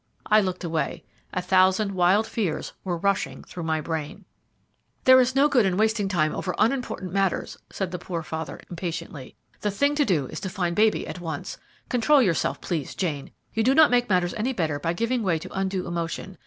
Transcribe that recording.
I looked away. A thousand wild fears were rushing through my brain. "There is no good in wasting time over unimportant matters," said the poor father impatiently. "The thing to do is to find baby at once. Control yourself, please, Jane; you do not make matters any better by giving way to undue emotion.